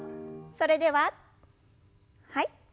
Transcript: それでははい。